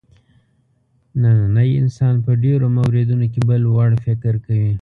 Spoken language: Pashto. نننی انسان په ډېرو موردونو کې بل وړ فکر کوي.